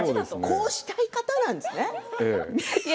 こうしたい方なんですね？